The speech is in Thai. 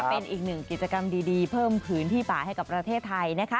เป็นอีกหนึ่งกิจกรรมดีเพิ่มพื้นที่ป่าให้กับประเทศไทยนะคะ